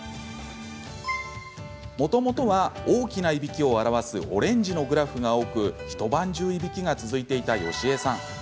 もともとは、大きないびきを表すオレンジのグラフが多く一晩じゅういびきが続いていたヨシエさん。